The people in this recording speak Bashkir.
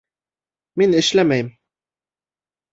Мин эшләмәйем